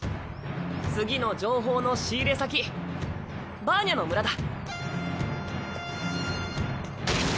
次の情報の仕入れ先バーニャの村だ。